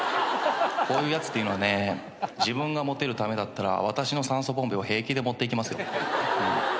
こういうやつっていうのはね自分がモテるためだったら私の酸素ボンベを平気で持っていきますよ。